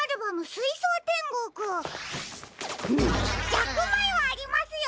１００まいはありますよ！